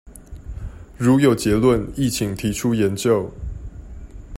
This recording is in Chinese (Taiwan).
如有結論亦請提出研究